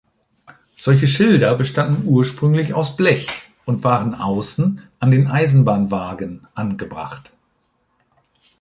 Solche Schilder bestanden ursprünglich aus Blech und waren außen an den Eisenbahnwagen angebracht.